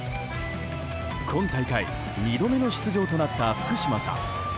今大会２度目の出場となった福島さん。